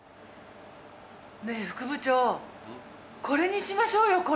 これにしましょうよ。